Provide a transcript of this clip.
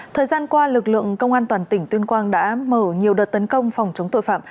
thời gian qua lực lượng công an toàn tỉnh tuyên quang đã mở nhiều đợt tấn công phòng chống tội phạm